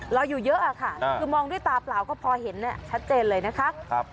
รออยู่เยอะค่ะคือมองด้วยตาเปล่าก็พอเห็นชัดเจนเลยนะคะ